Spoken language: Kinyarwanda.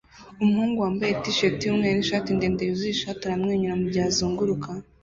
Umuhungu wambaye t-shati yumweru nishati ndende yuzuye ishati aramwenyura mugihe azunguruka